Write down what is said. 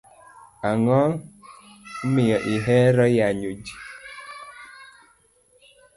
Ango miyo ihero yanyo jii?